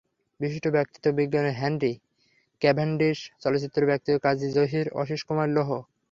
বিশিষ্ট ব্যক্তিত্ব—বিজ্ঞানী Henry Cavendish, চলচ্চিত্র ব্যক্তিত্ব কাজী জহির, আশীষ কুমার লোহ।